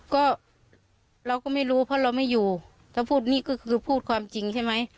ก็เราก็ไม่รู้เพราะเราไม่อยู่ถ้าพูดนี่ก็คือพูดความจริงใช่ไหม